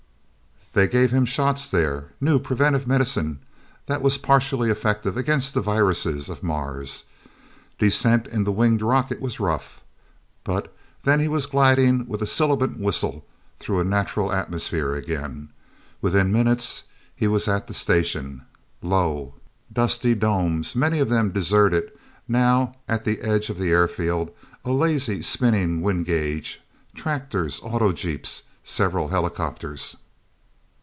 They gave him shots there new preventative medicine that was partially effective against the viruses of Mars. Descent in the winged rocket was rough. But then he was gliding with a sibilant whistle through a natural atmosphere, again. Within minutes he was at the Station low, dusty domes, many of them deserted, now, at the edge of the airfield, a lazily spinning wind gauge, tractors, auto jeeps, several helicopters.